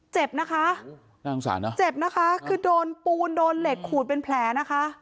เจ็บนะคะน่าสงสารนะเจ็บนะคะคือโดนปูนโดนเหล็กขูดเป็นแผลนะคะ